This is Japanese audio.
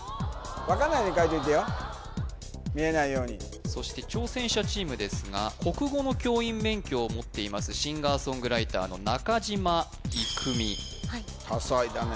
わかんないように書いといてよ見えないようにそして挑戦者チームですが国語の教員免許を持っていますシンガーソングライターの中嶌郁実はい多才だね